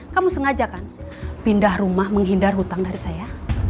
kamu sengaja kan pindah rumah menghindar hutang dari saya